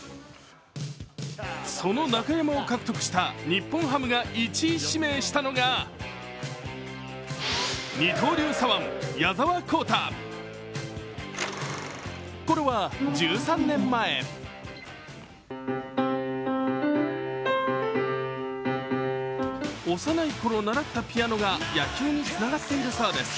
その中山を獲得した日本ハムが１位指名したのが幼い頃倣ったピアノが野球につながっているそうです。